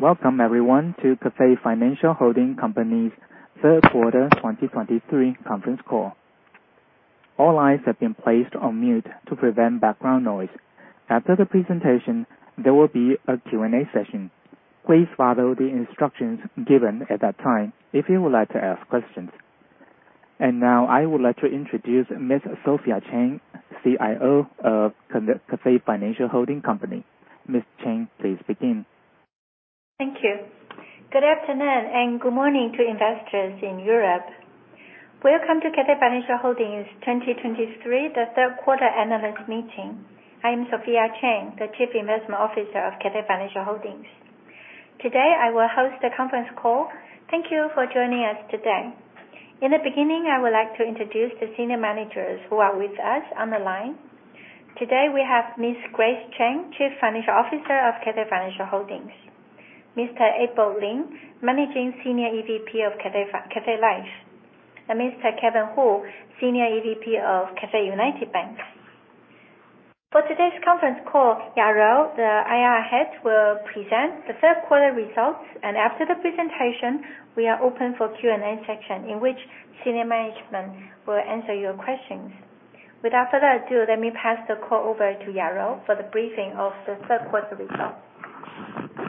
Welcome everyone to Cathay Financial Holding Company's Q3 2023 Conference Call. All lines have been placed on mute to prevent background noise. After the presentation, there will be a Q&A session. Please follow the instructions given at that time if you would like to ask questions. Now I would like to introduce Ms. Sophia Cheng, CIO of Cathay Financial Holding Company. Ms. Cheng, please begin. Thank you. Good afternoon and good morning to investors in Europe. Welcome to Cathay Financial Holdings 2023, the Q3 analyst meeting. I am Sophia Cheng, the Chief Investment Officer of Cathay Financial Holdings. Today, I will host the conference call. Thank you for joining us today. In the beginning, I would like to introduce the senior managers who are with us on the line. Today, we have Ms. Grace Chen, Chief Financial Officer of Cathay Financial Holdings, Mr. Abel Lin, Managing Senior EVP of Cathay Life, and Mr. Kevin Hu, Senior EVP of Cathay United Bank. For today's conference call, Yajou Chang, the IR Head, will present the Q3 results, and after the presentation, we are open for Q&A session in which senior management will answer your questions. Without further ado, let me pass the call over to Yajou Chang for the briefing of the Q3 results.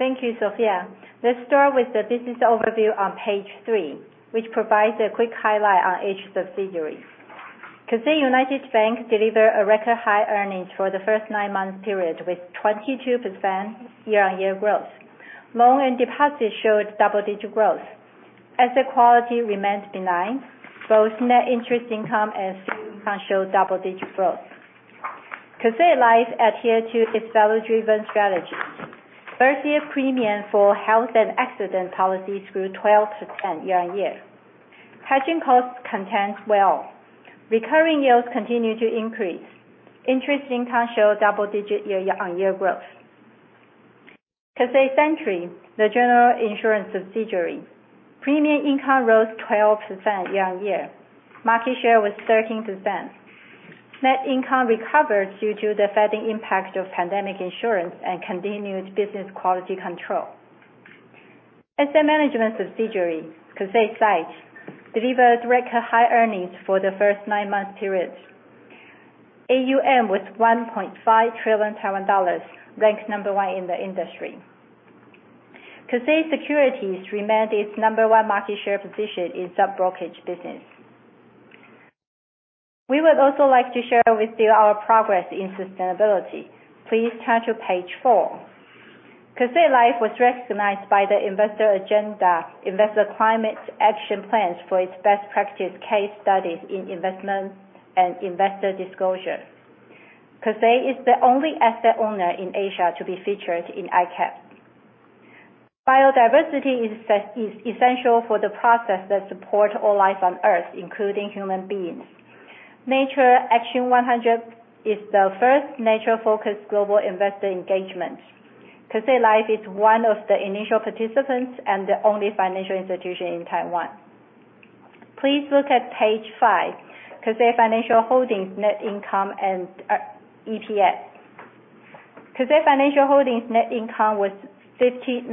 Thank you, Sophia. Let's start with the business overview on page three, which provides a quick highlight on each subsidiary. Cathay United Bank deliver a record high earnings for the first nine-month period with 22% year-on-year growth. Loan and deposits showed double-digit growth. Asset quality remained benign. Both net interest income and fee income showed double-digit growth. Cathay Life adhere to its value-driven strategy. First year premium for health and accident policies grew 12% year-on-year. Hedging costs contained well. Recurring yields continued to increase. Interest income showed double-digit year-on-year growth. Cathay Century, the general insurance subsidiary, premium income rose 12% year-on-year. Market share was 13%. Net income recovered due to the fading impact of pandemic insurance and continued business quality control. Asset management subsidiary, Cathay SITE, delivered record high earnings for the first nine-month periods. AUM was 1.5 trillion Taiwan dollars, ranked number one in the industry. Cathay Securities remained its number one market share position in sub-brokerage business. We would also like to share with you our progress in sustainability. Please turn to page four. Cathay Life was recognized by the Investor Agenda Investor Climate Action Plans for its best practice case studies in investment and investor disclosure. Cathay is the only asset owner in Asia to be featured in ICAP. Biodiversity is essential for the process that support all life on earth, including human beings. Nature Action 100 is the first nature-focused global investor engagement. Cathay Life is one of the initial participants and the only financial institution in Taiwan. Please look at page five, Cathay Financial Holdings net income and EPS. Cathay Financial Holdings net income was 59.7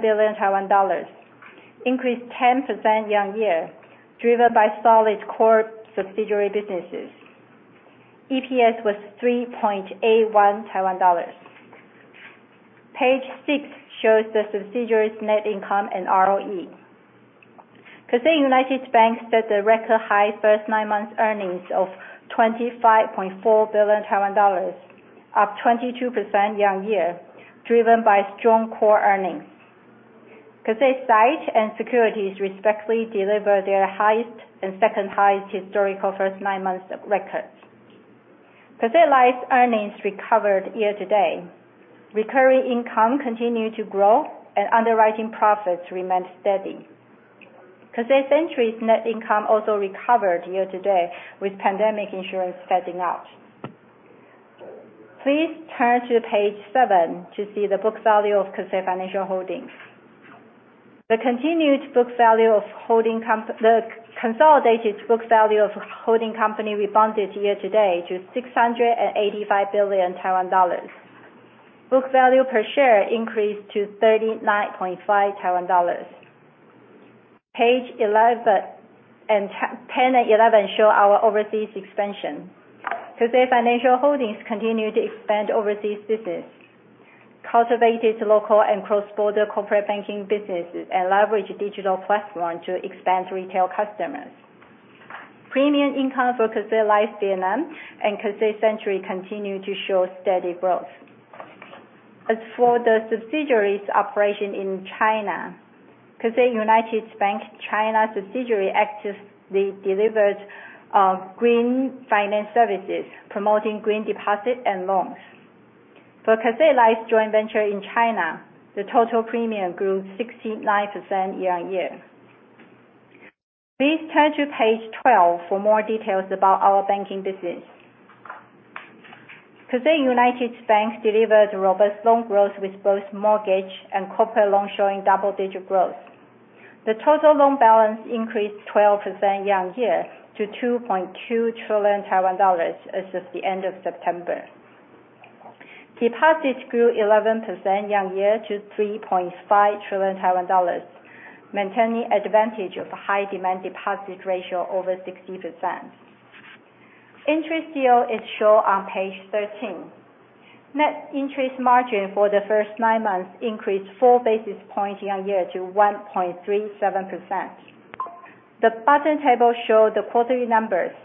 billion Taiwan dollars, increased 10% year-on-year, driven by solid core subsidiary businesses. EPS was 3.81 Taiwan dollars. Page six shows the subsidiaries' net income and ROE. Cathay United Bank set the record high first nine months earnings of 25.4 billion Taiwan dollars, up 22% year-on-year, driven by strong core earnings. Cathay SITE and Securities respectively deliver their highest and second-highest historical first nine months of records. Cathay Life's earnings recovered year-to-date. Recurring income continued to grow, and underwriting profits remained steady. Cathay Century's net income also recovered year-to-date, with pandemic insurance fading out. Please turn to page seven to see the book value of Cathay Financial Holdings. The continued book value of holding comp... The consolidated book value of holding company rebounded year-to-date to 685 billion Taiwan dollars. Book value per share increased to 39.5 Taiwan dollars. Pages 10 and 11 show our overseas expansion. Cathay Financial Holdings continued to expand overseas business, cultivated local and cross-border corporate banking businesses, and leveraged digital platform to expand retail customers. Premium income for Cathay Life Vietnam and Cathay Century continued to show steady growth. As for the subsidiaries operation in China, Cathay United Bank China subsidiary actively delivered green finance services, promoting green deposit and loans. For Cathay Life's joint venture in China, the total premium grew 69% year-on-year. Please turn to page 12 for more details about our banking business. Cathay United Bank delivered robust loan growth with both mortgage and corporate loans showing double-digit growth. The total loan balance increased 12% year-on-year to 2.2 trillion Taiwan dollars as of the end of September. Deposits grew 11% year-on-year to 3.5 trillion Taiwan dollars, maintaining advantage of high demand deposit ratio over 60%. Interest yield is shown on page 13. Net interest margin for the first nine months increased 4 basis points year-on-year to 1.37%. The bottom table show the quarterly numbers.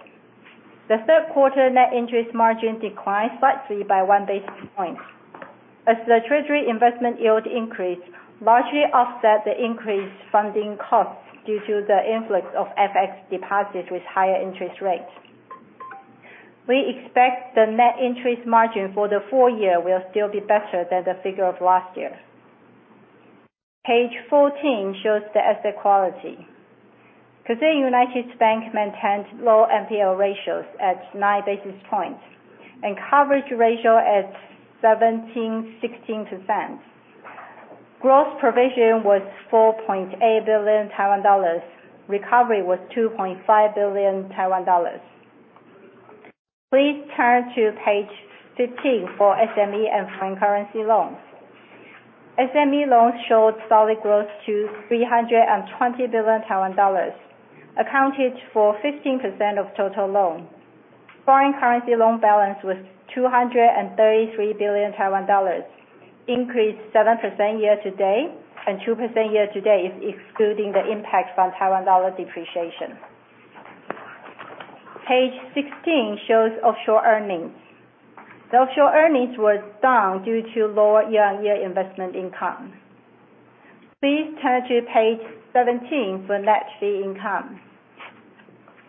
The Q3 net interest margin declined slightly by 1 basis point as the treasury investment yield increased, largely offset the increased funding costs due to the influx of FX deposits with higher interest rates. We expect the net interest margin for the full year will still be better than the figure of last year. Page 14 shows the asset quality. Cathay United Bank maintained low NPL ratios at 9 basis points and coverage ratio at 171.6%. Gross provision was 4.8 billion Taiwan dollars. Recovery was 2.5 billion Taiwan dollars. Please turn to page 15 for SME and foreign currency loans. SME loans showed solid growth to 320 billion Taiwan dollars, accounted for 15% of total loan. Foreign currency loan balance was 233 billion Taiwan dollars, increased 7% year to date and 2% year to date if excluding the impact from Taiwan dollar depreciation. Page 16 shows offshore earnings. The offshore earnings were down due to lower year-on-year investment income. Please turn to page 17 for net fee income.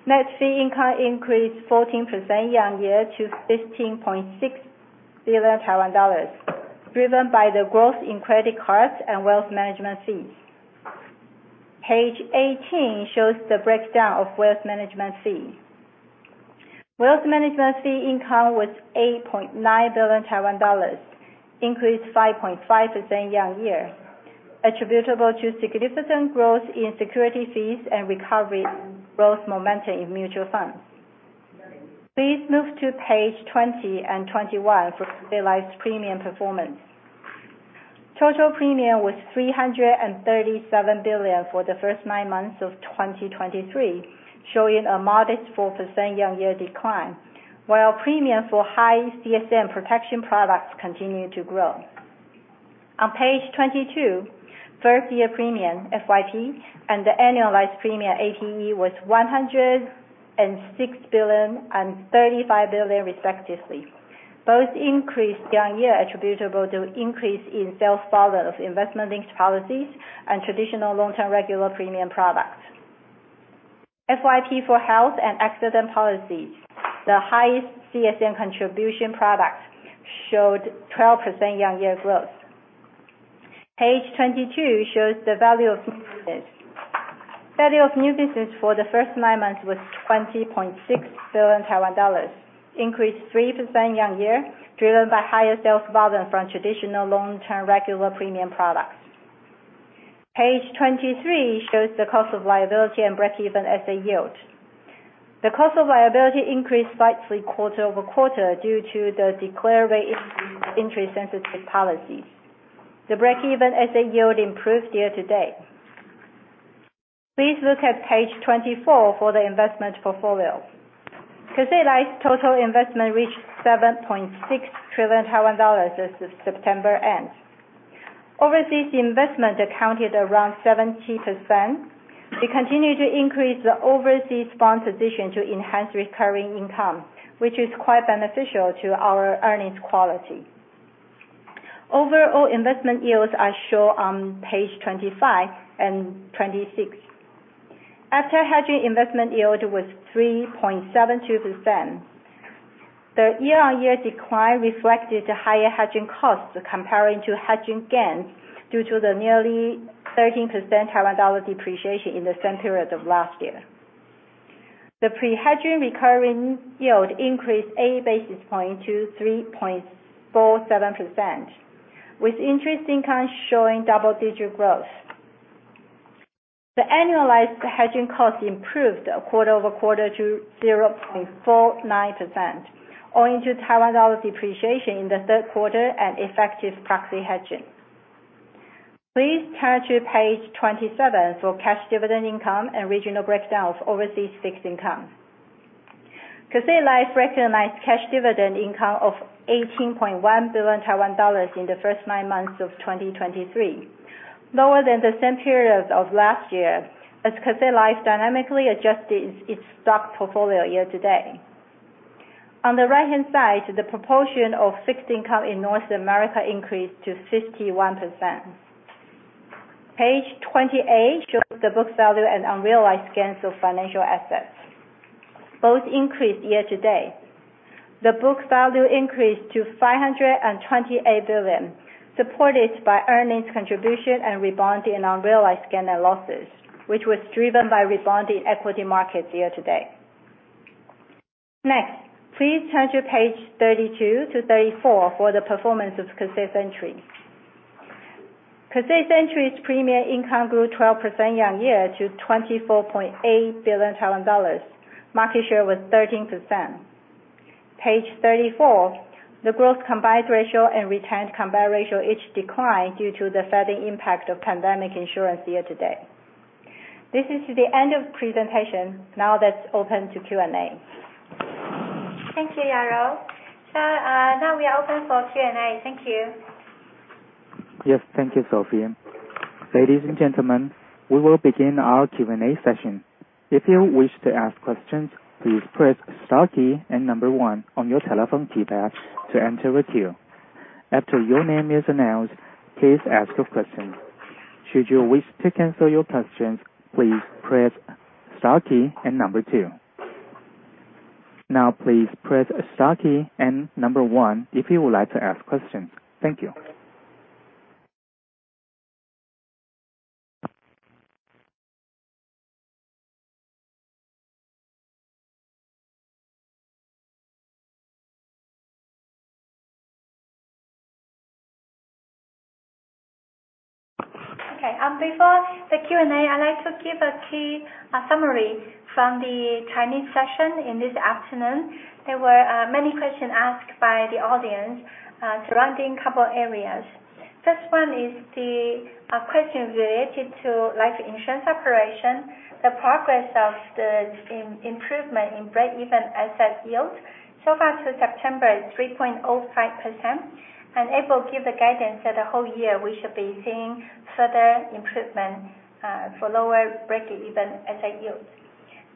Net fee income increased 14% year-on-year to 15.6 billion Taiwan dollars, driven by the growth in credit cards and wealth management fees. Page 18 shows the breakdown of wealth management fee. Wealth management fee income was 8.9 billion Taiwan dollars, increased 5.5% year-on-year, attributable to significant growth in securities fees and recovery growth momentum in mutual funds. Please move to page 20 and 21 for Cathay Life Insurance's premium performance. Total premium was 337 billion for the first nine months of 2023, showing a modest 4% year-on-year decline, while premium for high CSM protection products continued to grow. On page 22, first year premium, FYP, and the annualized premium, APE, was 106 billion and 35 billion respectively. Both increased year-on-year attributable to increase in sales volume of investment-linked policies and traditional long-term regular premium products. FYP for health and accident policies, the highest CSM contribution products, showed 12% year-on-year growth. Page 22 shows the value of new business. Value of new business for the first nine months was 20.6 billion Taiwan dollars, increased 3% year-on-year, driven by higher sales volume from traditional long-term regular premium products. Page 23 shows the cost of liability and break-even asset yield. The cost of liability increased slightly quarter-over-quarter due to the declared rate increase of interest-sensitive policies. The break-even asset yield improved year-to-date. Please look at page 24 for the investment portfolio. Cathay Life's total investment reached 7.6 trillion Taiwan dollars as of September end. Overseas investment accounted for around 70%. We continue to increase the overseas bond position to enhance recurring income, which is quite beneficial to our earnings quality. Overall investment yields are shown on page 25 and 26. After hedging, investment yield was 3.72%. The year-on-year decline reflected higher hedging costs comparing to hedging gains due to the nearly 13% Taiwan dollar depreciation in the same period of last year. The pre-hedging recurring yield increased eight basis points to 3.47%, with interest income showing double-digit growth. The annualized hedging cost improved quarter-over-quarter to 0.49%, owing to Taiwan dollar depreciation in the Q3 and effective proxy hedging. Please turn to page 27 for cash dividend income and regional breakdown of overseas fixed income. Cathay Life recognized cash dividend income of 18.1 billion Taiwan dollars in the first nine months of 2023, lower than the same period of last year as Cathay Life dynamically adjusted its stock portfolio year to date. On the right-hand side, the proportion of fixed income in North America increased to 51%. Page 28 shows the book value and unrealized gains of financial assets. Both increased year to date. The book value increased to 528 billion, supported by earnings contribution and rebounding unrealized gains and losses, which was driven by rebounding equity markets year to date. Next, please turn to page 32 to 34 for the performance of Cathay Century. Cathay Century's premium income grew 12% year-on-year to 24.8 billion dollars. Market share was 13%. Page 34, the gross combined ratio and retained combined ratio each declined due to the further impact of pandemic insurance year to date. This is the end of presentation. Now let's open to Q&A. Thank you, Yajou Chang. Now we are open for Q&A. Thank you. Yes. Thank you, Sophia. Ladies and gentlemen, we will begin our Q&A session. If you wish to ask questions, please press star key and number one on your telephone keypad to enter the queue. After your name is announced, please ask your question. Should you wish to cancel your questions, please press star key and number two. Now, please press star key and number one if you would like to ask questions. Thank you. Okay. Before the Q&A, I'd like to give a key summary from the Chinese session in this afternoon. There were many questions asked by the audience surrounding couple areas. First one is the question related to life insurance operation, the progress of the improvement in break-even asset yield. So far through September, it's 3.05%. It will give the guidance that the whole year we should be seeing further improvement for lower break-even asset yields.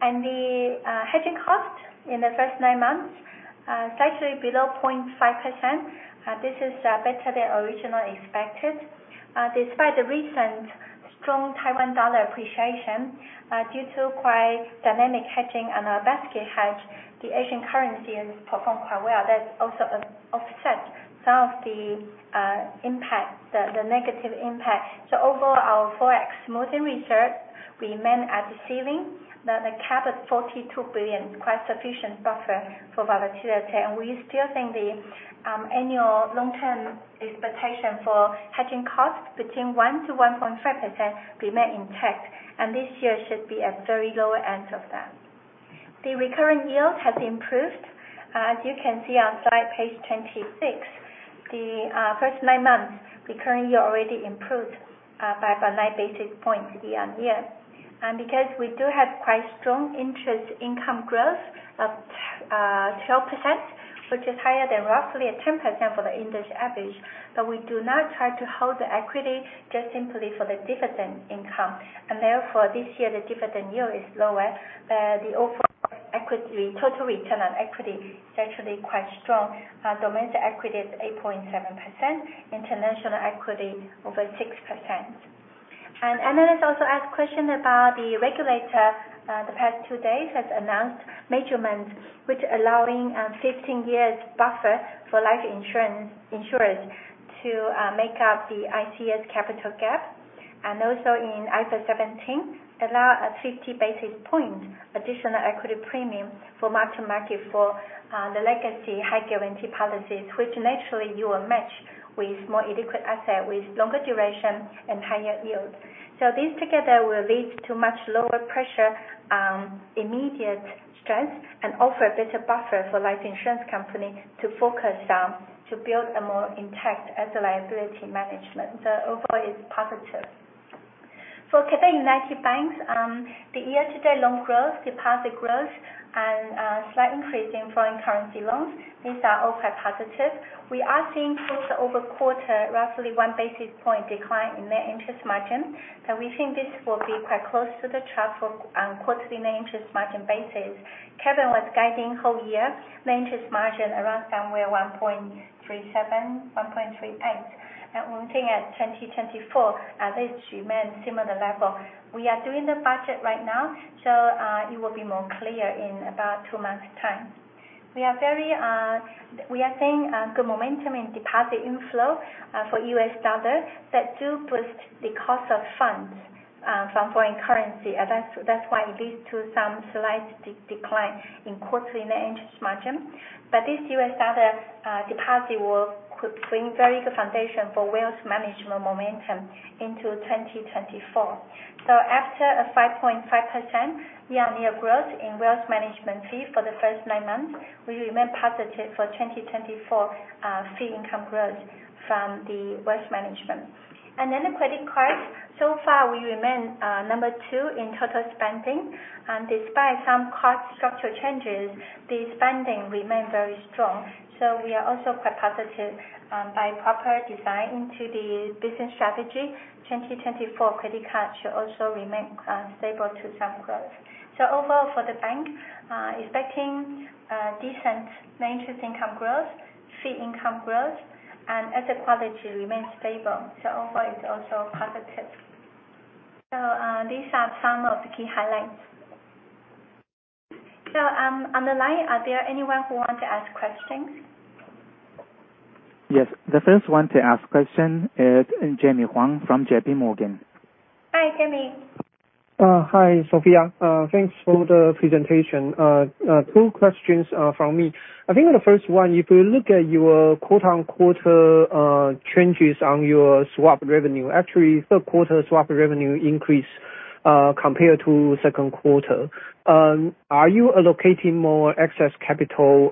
The hedging cost in the first nine months it's actually below 0.5%. This is better than originally expected. Despite the recent strong Taiwan dollar appreciation due to quite dynamic hedging and our basket hedge, the Asian currency has performed quite well. That's also offset some of the impact, the negative impact. Overall, our FOREX smoothing reserve remains at the ceiling. The cap at 42 billion, quite sufficient buffer for volatility. We still think the annual long-term expectation for hedging costs between 1%-1.5% remains intact, and this year should be at very low end of that. The recurring yield has improved. As you can see on slide page 26, the first nine months recurring yield already improved by about 9 basis points year-on-year. Because we do have quite strong interest income growth of 12%, which is higher than roughly 10% for the industry average. We do not try to hold the equity just simply for the dividend income. Therefore, this year the dividend yield is lower, but the overall equity total return on equity is actually quite strong. Domestic equity is 8.7%, international equity over 6%. Analyst also asked question about the regulator, the past two days has announced measures which allowing, 15 years buffer for life insurance insurers to make up the ICS capital gap. Also in IFRS 17 allow a 50 basis point additional equity premium for mark-to-market for the legacy high guarantee policies, which naturally you will match with more illiquid asset, with longer duration and higher yield. This together will lead to much lower pressure, immediate stress, and offer a better buffer for life insurance company to focus on, to build a more intact asset-liability management. Overall it's positive. For Cathay United Bank, the year-to-date loan growth, deposit growth and slight increase in foreign currency loans, these are all quite positive. We are seeing quarter-over-quarter roughly 1 basis point decline in net interest margin, but we think this will be quite close to the chart for quarterly net interest margin basis. Kevin was guiding full year net interest margin around somewhere 1.37%-1.38%. We're looking at 2024. This should remain similar level. We are doing the budget right now. It will be more clear in about two months time. We are seeing good momentum in deposit inflow for U.S. dollars that do boost the cost of funds from foreign currency. That's why it leads to some slight decline in quarterly net interest margin. This U.S. dollar deposit will bring very good foundation for wealth management momentum into 2024. After a 5.5% year-on-year growth in wealth management fee for the first nine months, we remain positive for 2024 fee income growth from the wealth management. The credit card. So far we remain number two in total spending. Despite some cost structure changes, the spending remain very strong. We are also quite positive by proper design into the business strategy, 2024 credit card should also remain stable to some growth. Overall for the bank, we're expecting decent net interest income growth, fee income growth and asset quality remains stable. Overall it's also positive. These are some of the key highlights. On the line, are there anyone who want to ask questions? Yes. The first one to ask question is Jemmy Huang from JPMorgan. Hi, Jemmy. Hi, Sophia. Thanks for the presentation. Two questions from me. I think the first one, if you look at your quarter-on-quarter changes on your swap revenue, actually third quarter swap revenue increased compared to second quarter. Are you allocating more excess capital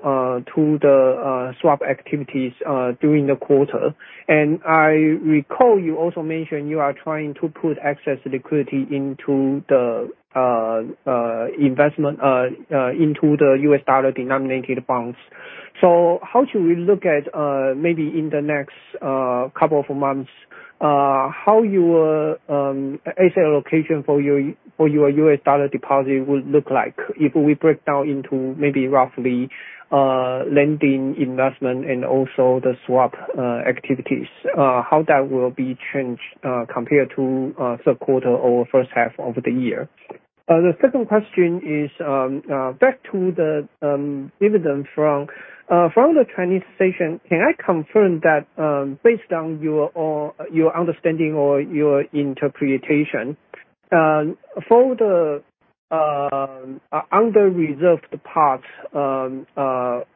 to the swap activities during the quarter? I recall you also mentioned you are trying to put excess liquidity into the investment into the U.S. dollar-denominated bonds. How should we look at maybe in the next couple of months how your asset allocation for your U.S. dollar deposit would look like if we break down into maybe roughly lending, investment and also the swap activities how that will be changed compared to Q3 or first half of the year? The second question is back to the dividend from the Chinese subsidiary, can I confirm that based on your understanding or your interpretation for the under-reserved part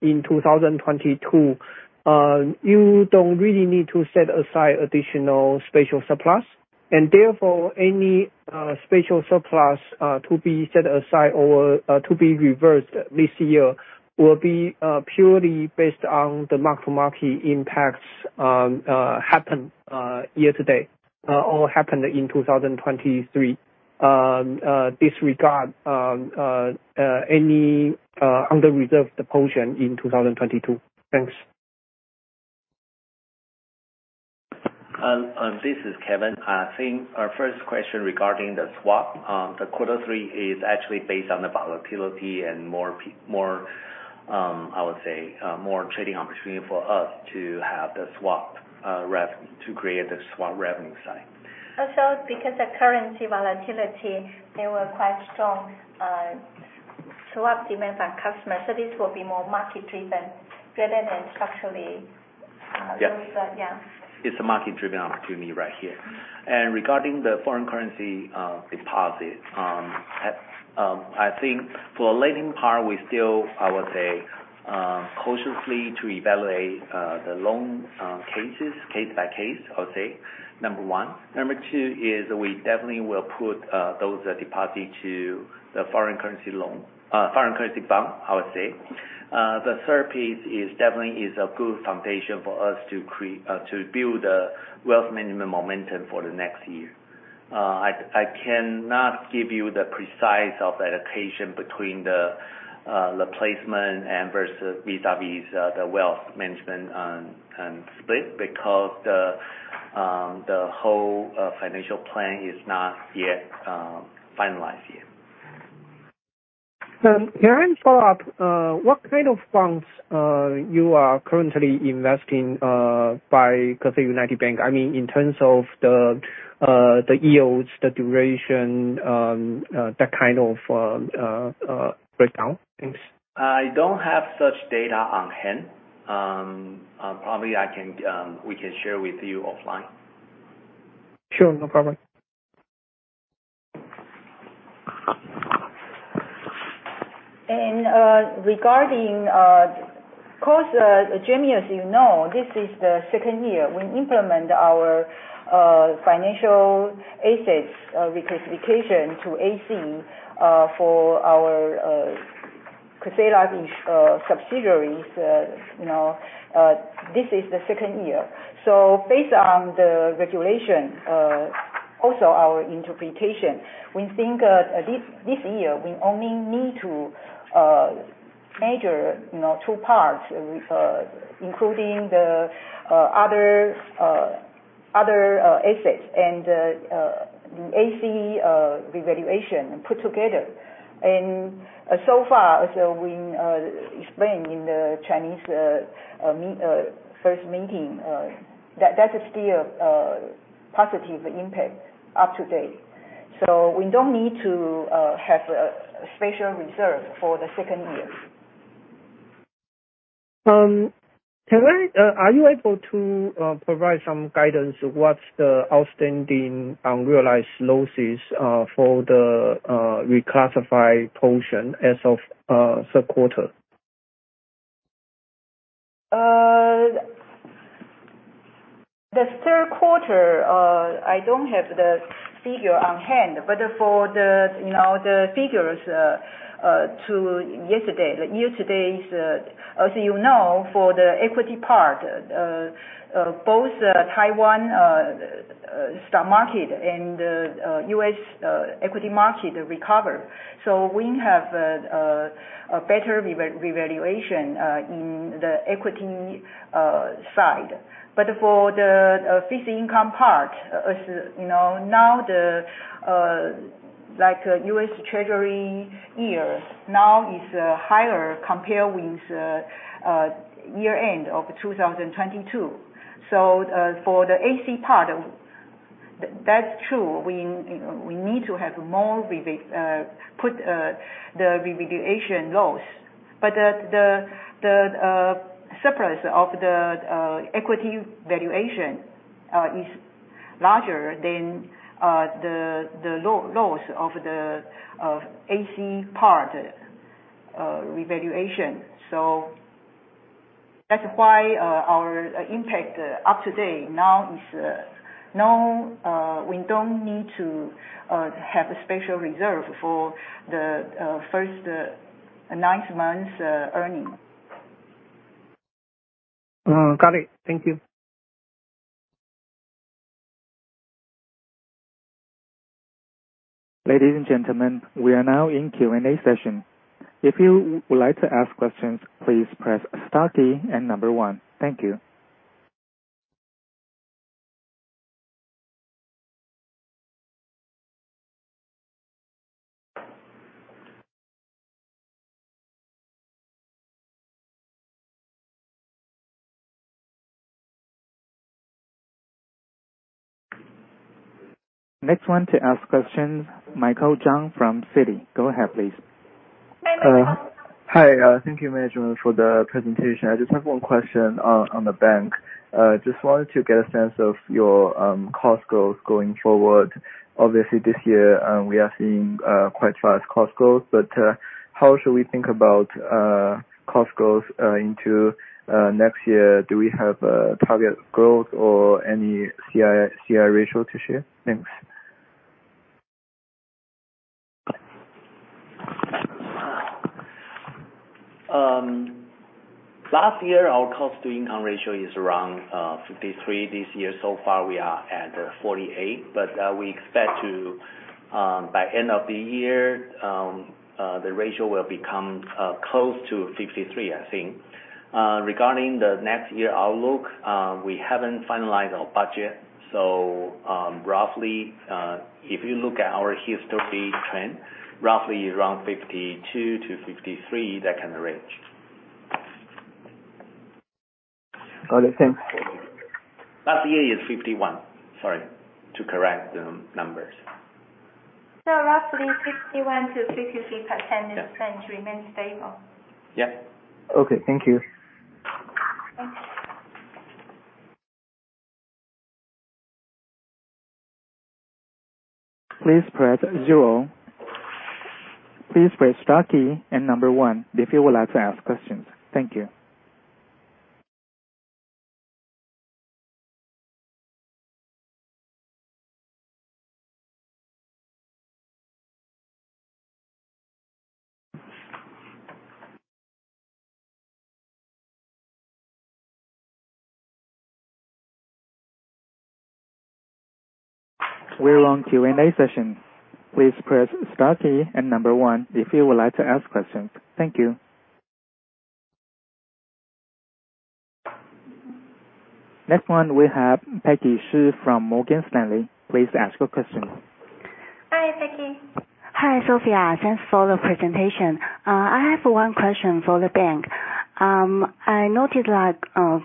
in 2022 you don't really need to set aside additional special surplus? Therefore, any special surplus to be set aside or to be reversed this year will be purely based on the mark-to-market impacts happened year-to-date or happened in 2023, disregard any under-reserved portion in 2022. Thanks. This is Kevin. I think our first question regarding the swap, the quarter three is actually based on the volatility and more, I would say, more trading opportunity for us to have the swap to create the swap revenue side. Also because the currency volatility, they were quite strong, swap demand on customers. This will be more market-driven rather than structurally. Yes. Yeah. It's a market-driven opportunity right here. Regarding the foreign currency deposit, I think for a lending part, we still cautiously evaluate the loan case by case, I would say, number one. Number two is we definitely will put those deposit to the foreign currency loan, foreign currency bond, I would say. The third piece is definitely a good foundation for us to build a wealth management momentum for the next year. I cannot give you the precise allocation between the placement and versus vis-a-vis the wealth management split because the whole financial plan is not yet finalized. Can I follow up, what kind of funds you are currently investing by Cathay United Bank? I mean, in terms of the yields, the duration, that kind of breakdown. Thanks. I don't have such data on hand. Probably we can share with you offline. Sure. No problem. Regarding, of course, Jemmy, as you know, this is the second year we implement our financial assets reclassification to AC for our Cathay Life subsidiaries, you know. Based on the regulation, also our interpretation, we think this year we only need to measure, you know, two parts, including the other assets and AC revaluation put together. So far, we explain in the Chinese media first meeting that is still positive impact to date. We don't need to have a special reserve for the second year. Are you able to provide some guidance what's the outstanding unrealized losses for the reclassify portion as of Q3? The third quarter, I don't have the figure on hand, but for the, you know, the figures to yesterday, the year-to-date is, as you know, for the equity part, both Taiwan stock market and U.S. equity market recovered. We have a better revaluation in the equity side. But for the fixed income part, as you know, now the, like U.S. Treasury yield now is higher compared with year-end of 2022. For the AC part. That's true. You know, we need to have more revaluation, but the revaluation loss. But the surplus of the equity valuation is larger than the loss of the AC part revaluation. That's why our impairment up to date, now we don't need to have a special reserve for the first nine months earnings. Got it. Thank you. Ladies and gentlemen, we are now in Q&A session. If you would like to ask questions, please press star key and number one. Thank you. Next one to ask questions, Michael Zhang from Citi. Go ahead, please. Michael. Hi. Thank you management for the presentation. I just have one question on the bank. Just wanted to get a sense of your cost goals going forward. Obviously, this year, we are seeing quite fast cost growth, but how should we think about cost growth into next year? Do we have a target growth or any CI ratio to share? Thanks. Last year our cost-to-income ratio is around 53%. This year so far we are at 48%, but we expect to, by end of the year, the ratio will become close to 53%, I think. Regarding the next year outlook, we haven't finalized our budget, so roughly, if you look at our history trend, roughly around 52%-53%, that kind of range. Got it. Thanks. Last year is 51%. Sorry. To correct the numbers. Roughly 51%-53%. Yeah. Is planned to remain stable. Yeah. Okay. Thank you. Okay. Please press zero. Please press star key and number one if you would like to ask questions. Thank you. We're on Q&A session. Please press star key and number one if you would like to ask questions. Thank you. Next one we have Peggy Shih from Morgan Stanley. Please ask your question. Hi, Peggy. Hi, Sophia. Thanks for the presentation. I have one question for the bank. I noted that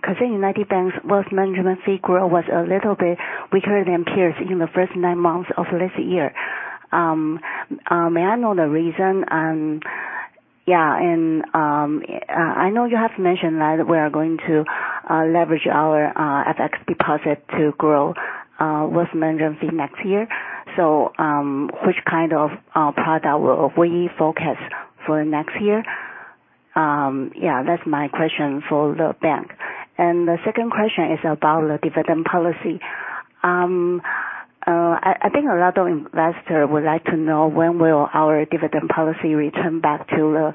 Cathay United Bank's wealth management fee growth was a little bit weaker than peers in the first nine months of this year. May I know the reason? I know you have mentioned that we are going to leverage our FX deposit to grow wealth management fee next year. Which kind of product are we focused for next year? That's my question for the bank. The second question is about the dividend policy. I think a lot of investor would like to know when will our dividend policy return back to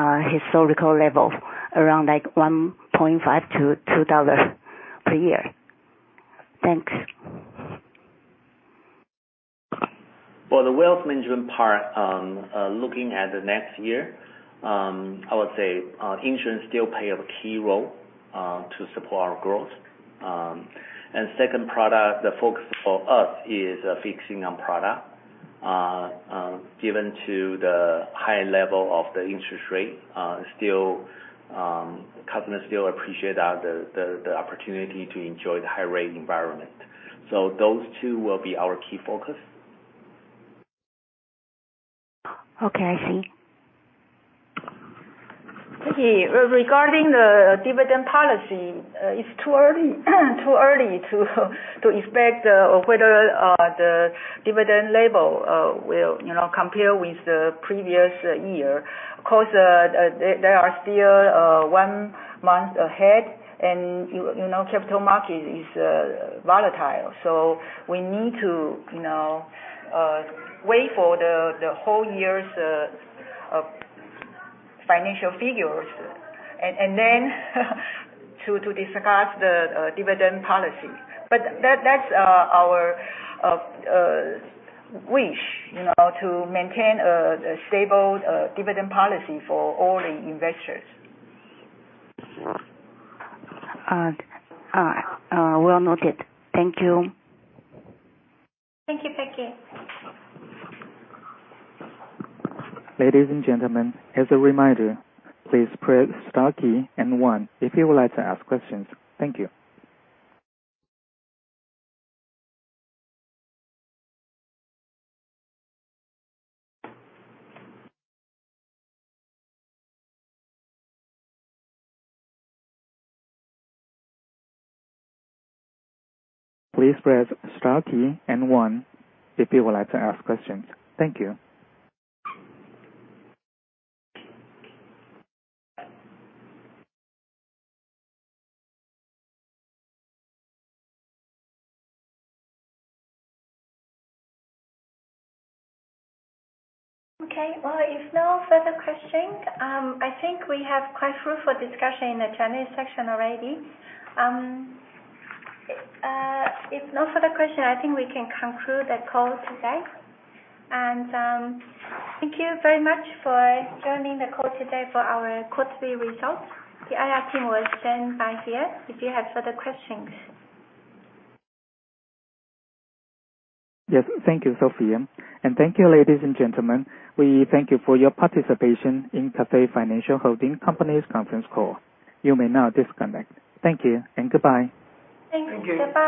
the historical level around like 1.5-2 dollars per year? Thanks. For the wealth management part, looking at the next year, I would say, insurance still play a key role to support our growth. Second product, the focus for us is, focusing on products, given the high level of the interest rate, still, customers still appreciate the opportunity to enjoy the high rate environment. Those two will be our key focus. Okay. I see. Peggy, regarding the dividend policy, it's too early to expect whether the dividend level will, you know, compare with the previous year. Of course, there are still one month ahead and, you know, capital market is volatile. We need to, you know, wait for the whole year's financial figures and then to discuss the dividend policy. That's our wish, you know, to maintain a stable dividend policy for all investors. Well noted. Thank you. Thank you, Peggy. Ladies and gentlemen, as a reminder, please press star key and one if you would like to ask questions. Thank you. Please press star key and one if you would like to ask questions. Thank you. Okay. Well, if no further question, I think we have quite fruitful discussion in the Chinese session already. If no further question, I think we can conclude the call today. Thank you very much for joining the call today for our quarterly results. The IR team will stand by here if you have further questions. Yes. Thank you, Sophia. Thank you, ladies and gentlemen. We thank you for your participation in Cathay Financial Holdings' conference call. You may now disconnect. Thank you and goodbye. Thanks. Bye-bye.